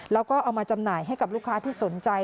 แล้วก็เอามาจำหน่ายให้กับลูกค้าที่สนใจ